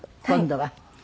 今度は。